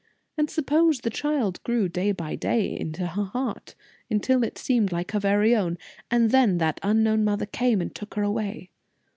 And suppose the child grew day by day into her heart, until it seemed like her very own, and then that unknown mother came and took her away?